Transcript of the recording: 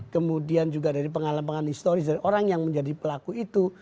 kemudian juga dari pengalaman pengalaman historis orang yang menjadi pelaku itu